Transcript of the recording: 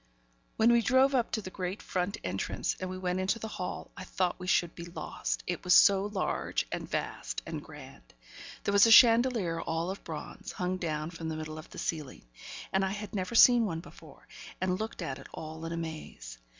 When we drove up to the great front entrance, and went into the hall, I thought we would be lost it was so large, and vast and grand. There was a chandelier all of bronze, hung down from the middle of the ceiling; and I had never seen one before, and looked at it all in amaze.